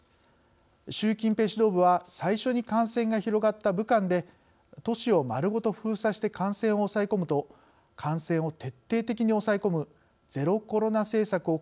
習近平指導部は最初に感染が広がった武漢で都市を丸ごと封鎖して感染を抑え込むと感染を徹底的に抑え込むゼロコロナ政策を